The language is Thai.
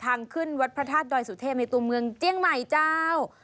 ทางขึ้นวัดพระธาตุดอยสุเทพในตัวเมืองเจียงใหม่เจ้า